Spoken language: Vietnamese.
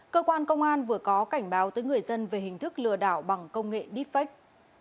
cơ quan công an vừa có cảnh báo tới người dân về hình thức lừa đảo bằng công nghệ deepfake